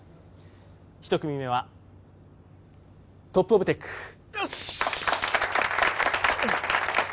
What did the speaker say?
一組目はトップオブテックよしっ！